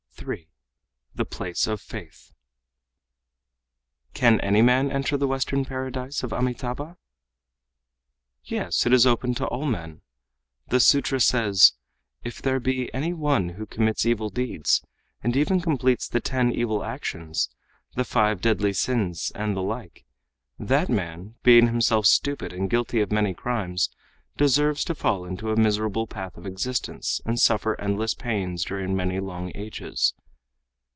3. The Place of Faith "Can any man enter the western paradise of Amitâbha?" "Yes, it is open to all men. The sutra says: 'If there be any one who commits evil deeds, and even completes the ten evil actions, the five deadly sins and the like; that man, being himself stupid and guilty of many crimes, deserves to fall into a miserable path of existence and suffer endless pains during many long ages.